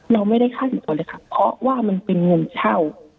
เราไม่ได้ค่าสินทนเลยค่ะเพราะว่ามันเป็นเงินเช่า